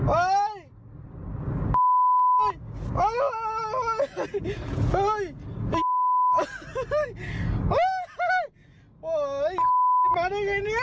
ไอ้มาได้ไงนี่